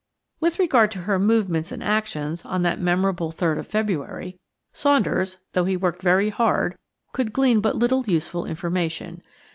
With regard to her movements and actions on that memorable 3rd of February, Saunders–though he worked very hard–could glean but little useful information.